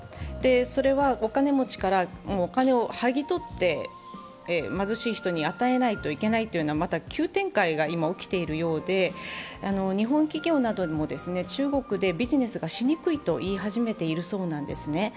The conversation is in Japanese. それはお金持ちからお金を剥ぎ取って貧しい人に与えないといけないという急展開が今起きているようで日本企業などにも中国でビジネスがしにくいと言い始めているそうなんですね。